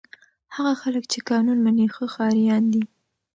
هغه خلک چې قانون مني ښه ښاریان دي.